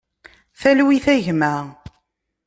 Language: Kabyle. Talwit a gma.